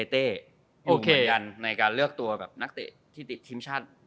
โอเคกันในการเลือกตัวแบบนักเตะที่ติดทีมชาติ